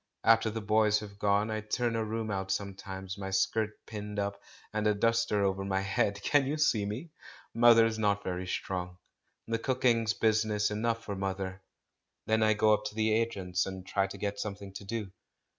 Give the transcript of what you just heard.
After the boys have gone, I turn a room out sometimes — my skirt pinned up, and a duster over my head. Can you see me ? Mother's not very strong — the cooking's business enough for mother. Then I go up to the agents' and try to get something to do.